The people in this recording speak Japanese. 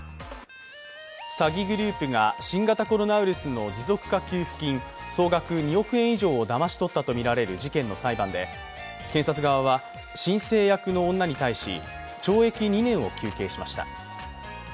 詐欺グループが新型コロナウイルスの持続化給付金、総額２億円以上をだまし取ったとみられる事件の裁判で検察側は申請役の女に対し懲役２年を求刑しました。